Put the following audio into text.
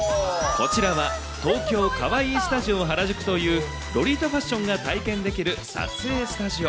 こちらは、東京カワイイスタジオ原宿というロリータファッションが体験できる撮影スタジオ。